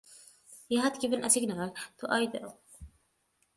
He had given a signal to Adele.